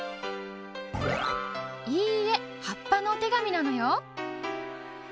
いいえはっぱのおてがみなのよ。